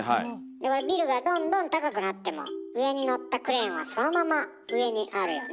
でもビルがどんどん高くなっても上にのったクレーンはそのまま上にあるよね。